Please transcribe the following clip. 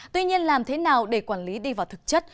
tuy nhiên làm thế nào để quản lý đi vào thực chất